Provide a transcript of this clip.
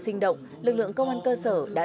sinh động lực lượng công an cơ sở đã